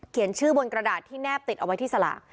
ชื่อบนกระดาษที่แนบติดเอาไว้ที่สลาก